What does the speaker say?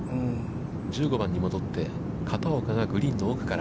１５番に戻って、片岡がグリーンの奥から。